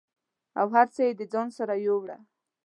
او هر څه یې د ځان سره یووړه